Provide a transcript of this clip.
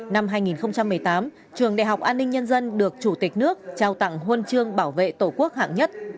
năm hai nghìn một mươi tám trường đại học an ninh nhân dân được chủ tịch nước trao tặng huân chương bảo vệ tổ quốc hạng nhất